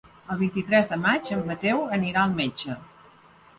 El vint-i-tres de maig en Mateu anirà al metge.